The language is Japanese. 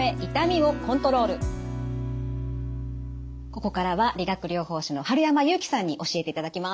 ここからは理学療法士の春山祐樹さんに教えていただきます。